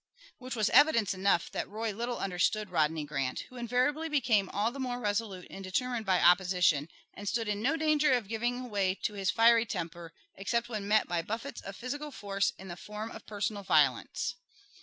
Which was evidence enough that Roy little understood Rodney Grant, who invariably became all the more resolute and determined by opposition, and stood in no danger of giving way to his fiery temper, except when met by buffets of physical force in the form of personal violence.